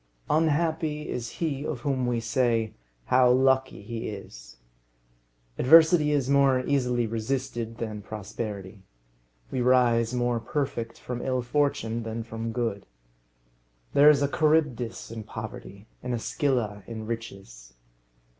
Unhappy is he of whom we say, how lucky he is! Adversity is more easily resisted than prosperity. We rise more perfect from ill fortune than from good. There is a Charybdis in poverty, and a Scylla in riches.